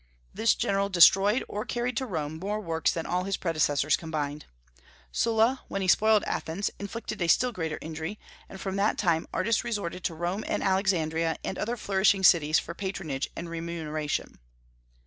This general destroyed, or carried to Rome, more works than all his predecessors combined. Sulla, when he spoiled Athens, inflicted a still greater injury; and from that time artists resorted to Rome and Alexandria and other flourishing cities for patronage and remuneration.